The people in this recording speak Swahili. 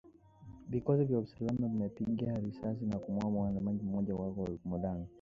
Vikosi vya usalama vilimpiga risasi na kumuuwa muandamanaji mmoja huko Omdurman